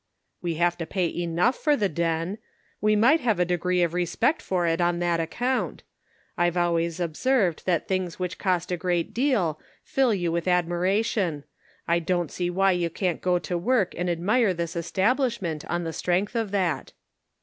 " We have to pay enough for the den. We might have a degree of respect for it on that account. I've always observed that things which cost a great deal fill you with admi Measured in Prose. 417 ration. I don't see why you can't go to work and admire this establishment on the strength of that."